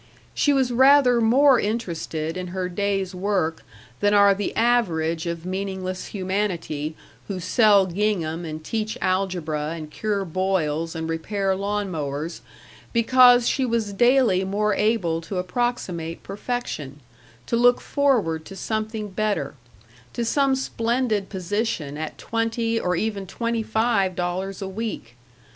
She was rather more interested in her day's work than are the average of meaningless humanity who sell gingham and teach algebra and cure boils and repair lawn mowers, because she was daily more able to approximate perfection, to look forward to something better to some splendid position at twenty or even twenty five dollars a week.